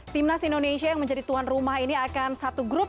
timnas indonesia yang menjadi tuan rumah ini akan satu grup